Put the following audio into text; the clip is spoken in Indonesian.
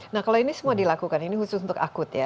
nah kalau ini semua dilakukan ini khusus untuk akut ya